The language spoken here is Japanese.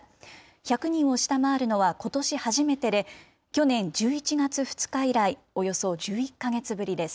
１００人を下回るのはことし初めてで、去年１１月２日以来、およそ１１か月ぶりです。